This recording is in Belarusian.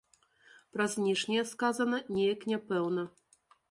Пра знешнія сказана неяк няпэўна.